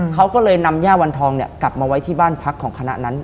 เขาก็เลยนำย่าวันทองเนี่ยกลับมาไว้ที่บ้านพักของคณะนั้น